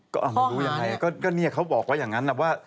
ก็ไม่รู้ยังไงก็เนี่ยเขาบอกว่าอย่างนั้นนะว่า